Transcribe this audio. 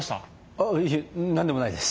ああいえ何でもないです。